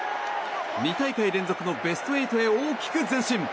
２大会連続のベスト８へ大きく前進。